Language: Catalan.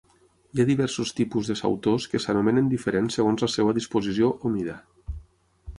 Hi ha diversos tipus de sautors que s'anomenen diferent segons la seva disposició o mida.